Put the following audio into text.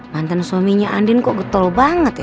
mantan suaminya andin kok getol banget